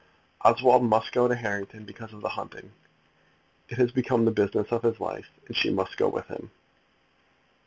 Oswald must go to Harrington because of the hunting. It has become the business of his life. And she must go with him."